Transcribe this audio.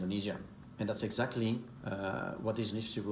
dan itu adalah hal yang akan membantu kami